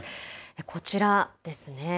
こちらですね。